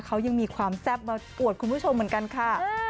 เขายังมีความแซ่บมากอวดคุณผู้ชมเหมือนกันค่ะ